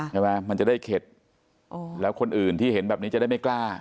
มันจะได้เข็ดแล้วคนอื่นที่เห็นแบบนี้จะได้ไม่กล้า